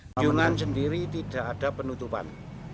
penyungan sendiri tidak ada penutupan